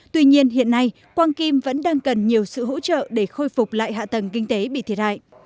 tuy nhiên hiện nay quang kim vẫn đang cần nhiều sự hỗ trợ để khôi phục lại hạ tầng kinh tế bị thiệt hại